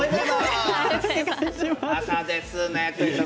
朝ですね。